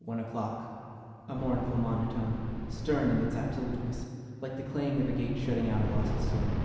One o'clock! A mournful monotone, stern in its absoluteness, like the clang of a gate shutting out a lost soul.